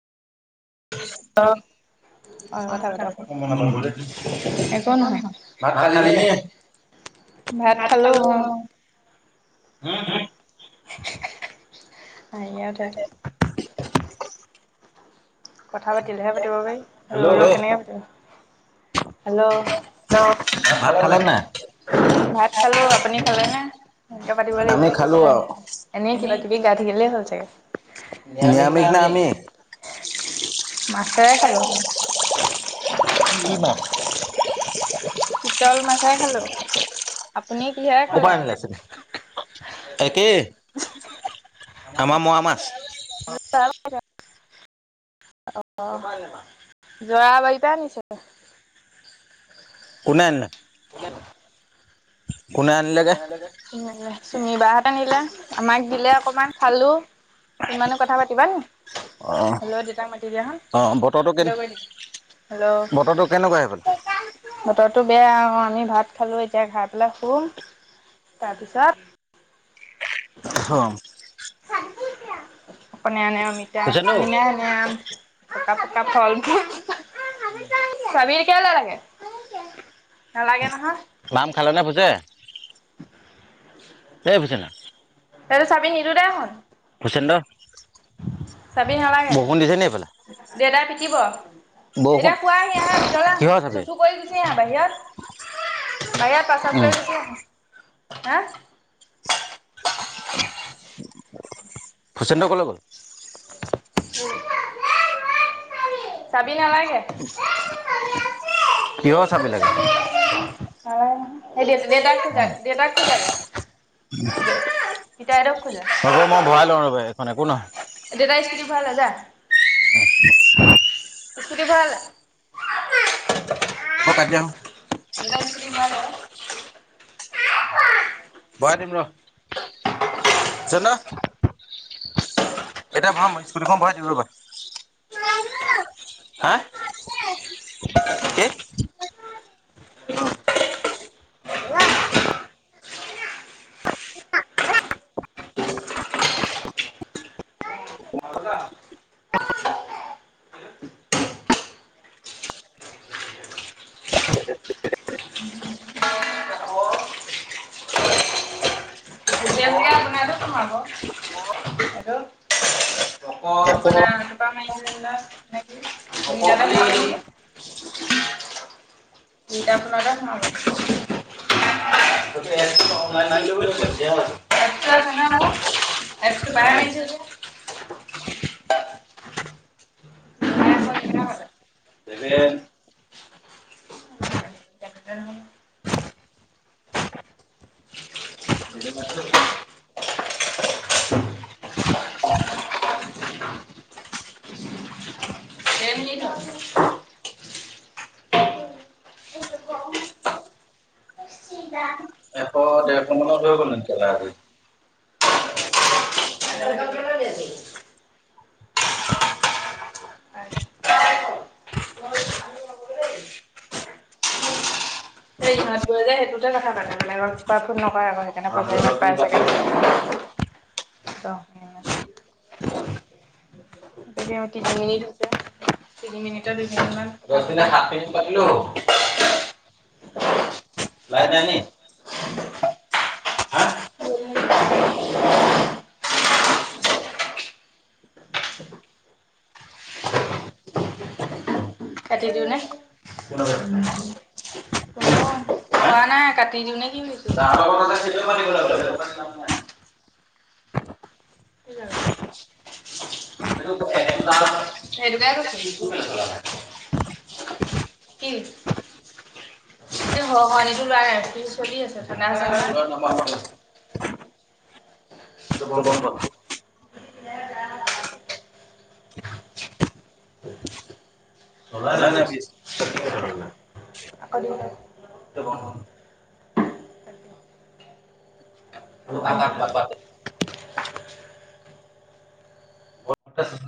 অ নহয় ভাত খালি নে ভাত খালো হে হে হে [unintelligible] ইয়াত হে কথা পাতিলেহে পাতিব পাৰি কো হেল্ল হেল্ল ভাত খালা নে নাই ভাত খালোঁ আপুনি খালে নে পাতিব লাগিব এনে কিবা কিবি গাই থাকিলেই হৈ যায়। নিৰামিষ নে আমিষ কি মাছ কৰপা আনি লৈছিলি একেই আমাৰ মুৱা মাছ [unintelligible] অ যৰা বাৰি পা আনিছো কোনে আনিলে? কোনে আনিলে? চুমি বা হত আহিলে। আমাক দিলে অকমান খালো। তুমমানো কথা পাতিবা নি হেল্ল' দেউতাক মাতি দিয়া হেল্ হেল্ল' বেয়া আৰু আমি ভাত খালোঁ এতিয়া ঘাই পেলাই শোম। তাৰপিছত অহ হম্ নে [unintelligible] কাফল উ কেলে লাগে? ক্লাম খালে নে ভুজে। ত চাবি নিৰুদাই হয়। [unintelligible] চাবি নেলাগে দেউতাই থাকিব। এতিয়া খুৱাই আহি আহা ভিতৰ আহে চু চু কৰি গুচি আহা বাহিৰত বাহিৰত প্ৰসাৱ কৰি গুচি আহা। হা [unintelligible] ভূচেন্দ ক'লে গল? [unintelligible] উম। নালাগে অ দেতাক খোজা দেতাক খোজা। উ পিতাই তোক খোজা দেউতাই স্কুটি ভৰাই লৈ জা। [unintelligible] স্কুটি ভৰালে। হব কাটি দিয়া হ। দেউতাই স্কুটি ভৰাই লওক [unintelligible] ভৰাই দিম ৰ জন এতিয়া ভৰাম মই স্কুটিখন বৰাাই দিম ৰ'বা হা কি এ [unintelligible] আল নকে [unintelligible] ককপালি [unintelligible] এ [inaudible] [inaudible] [inaudible] এশ দেৰ পন্ধৰ গ'ল নেকেল আজি [unintelligible] এই ইহঁত গৈ যে সেইটোতে কথা পা বলে ফোন নকৰে আকৌ সেইকাৰণে প তিনি মিনিট তিনি মিনিট দু মিনি দ সাত মিনি পাতিলোাই [unintelligible] কাটি দিওঁ নে? নাই কাটি দিওঁ নে কি কিছো? সেইট ক কি এ হয়তো লোৱা নাই কি চলি আছো হ নহয় [unintelligible] সেটো ঘৰ ক'ত? চলোৱাই নাই [inaudible]